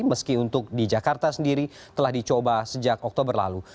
meski untuk di jakarta sendiri telah dicoba sejak oktober lalu